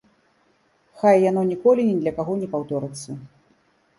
Хай яно ніколі ні для кога не паўторыцца.